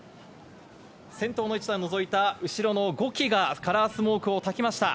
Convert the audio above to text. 先頭の１台を除いた後ろの５機がカラースモークを炊きました。